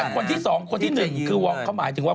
คนที่๒คนที่๑คือวองเขาหมายถึงว่า